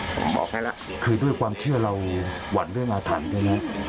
ผมบอกให้แล้วคือด้วยความเชื่อเราหวั่นเรื่องอาถรรพ์ใช่ไหม